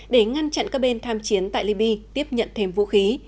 để ngăn chặn các bên tham chiến tại libya tiếp nhận thêm vũ khí